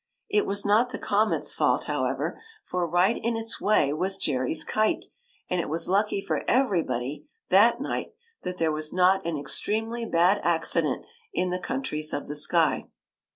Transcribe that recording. It was not the comet s fault, however, for right in its way was Jerry s kite ; and it was lucky for everybody, that night, that there w^as not an extremely bad accident in the countries of the sky.